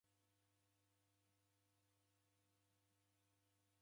Omoni ni kilongozi wa kisiasa.